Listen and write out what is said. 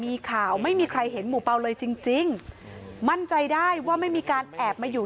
ทีมข่าวของเราก็เลยไปตรวจสอบที่แฟลต์ตำรวจที่สอบภาวเมืองชายนาฏไปดูเบาะแสตามที่ชาวเน็ตแจ้งมาว่า